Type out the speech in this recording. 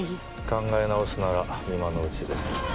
考え直すなら今のうちです。